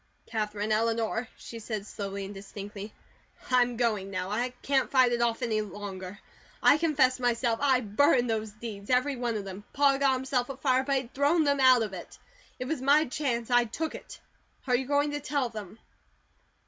"Katherine Eleanor," she said slowly and distinctly, "I'm going now. I can't fight it off any longer. I confess myself. I burned those deeds. Every one of them. Pa got himself afire, but he'd thrown THEM out of it. It was my chance. I took it. Are you going to tell them?"